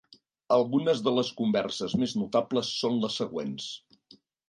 Algunes de les converses més notables són les següents.